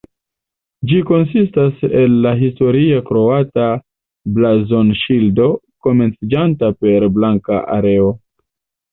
Ĝi konsistis el la historia kroata blazonŝildo, komenciĝanta per blanka areo.